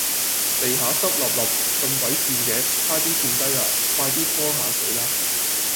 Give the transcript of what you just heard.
地下濕漉漉咁鬼跣嘅，差啲跣低呀，快啲拖吓佢啦